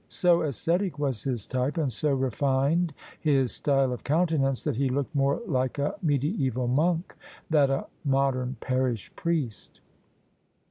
So ascetic was his type and so refined his style of countenance that he looked more like a mediaeval monk than a modem parish priest.